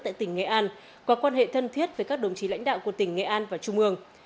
tại tỉnh nghệ an qua quan hệ thân thiết với các đồng chí lãnh đạo của tỉnh nghệ an và trung ương